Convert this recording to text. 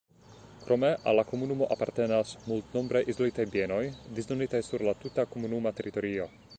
Krome al la komunumo apartenas multnombraj izolitaj bienoj disdonitaj sur la tuta komunuma teritorio.